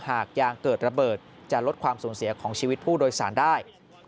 หากยางเกิดระเบิดจะลดความสูญเสียของชีวิตผู้โดยสารได้